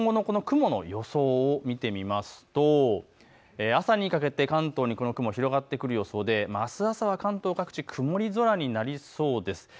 今後、雲の予想を見ていきますと朝にかけて関東にかけて雲が広がってくる予想で関東各地、曇り空になりそうです。